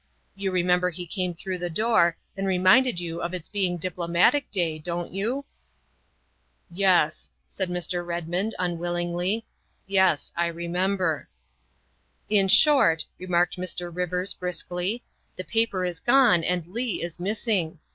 You remember he came through the door and reminded you of its being Diplomatic Day, don't you?" ' Yes," said Mr. Redmond unwillingly, " yes, I remember. ''' In short," remarked Mr. Rivers briskly, " the paper is gone and Leigh is missing.